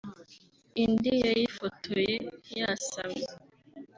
indi yayifotoye yasamye